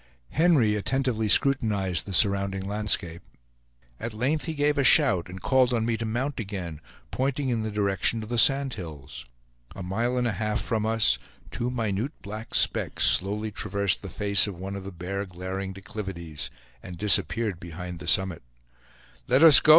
Henry attentively scrutinized the surrounding landscape; at length he gave a shout, and called on me to mount again, pointing in the direction of the sand hills. A mile and a half from us, two minute black specks slowly traversed the face of one of the bare glaring declivities, and disappeared behind the summit. "Let us go!"